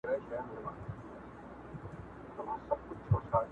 • نو خورا شاعرانه کلمات -